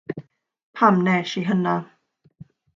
Pam wnes i hynna?